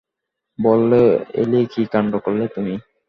বললে, এলী, কী কাণ্ড করলে তুমি?